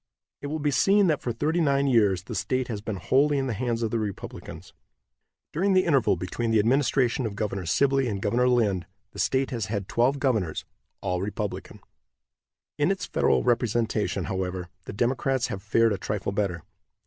It will be seen that for thirty nine years the state has been wholly in the hands of the Republicans. During the interval between the administration of Governor Sibley and Governor Lind the state has had twelve governors, all Republican. In its federal representation, however, the Democrats have fared a trifle better.